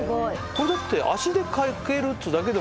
これだって足で描けるってだけでもすごい。